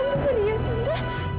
kamu serius tante